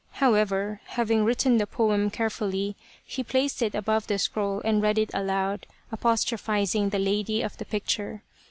However, having written the poem carefully, he placed it above the scroll and read it aloud, apostro phizing the lady of the picture.